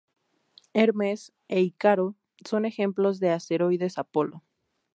Hermes e Ícaro son ejemplos de asteroides Apolo.